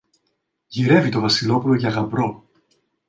Γυρεύει το Βασιλόπουλο για γαμπρό.